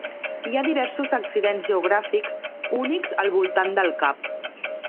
Hi ha diversos accidents geogràfics únics al voltant del cap.